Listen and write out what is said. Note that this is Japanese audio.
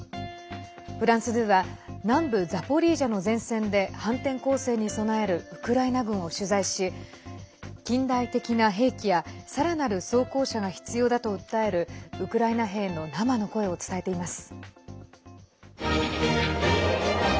フランス２は南部ザポリージャの前線で反転攻勢に備えるウクライナ軍を取材し近代的な兵器やさらなる装甲車が必要だと訴えるウクライナ兵の生の声を伝えています。